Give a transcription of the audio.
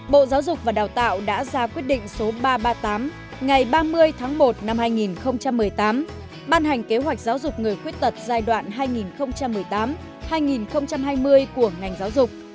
bộ giáo dục và đào tạo đã ra quyết định số ba trăm ba mươi tám ngày ba mươi tháng một năm hai nghìn một mươi tám ban hành kế hoạch giáo dục người khuyết tật giai đoạn hai nghìn một mươi tám hai nghìn hai mươi của ngành giáo dục